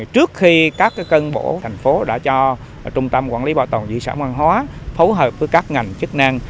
trước khi các cân bộ thành phố đã cho trung tâm quản lý bảo tồn di sản văn hóa phối hợp với các ngành chức năng